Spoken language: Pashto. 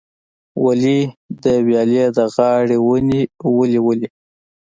ولي، د ویالې د غاړې ونې ولې ولي؟